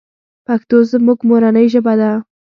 پښتو زموږ مورنۍ ژبه ده .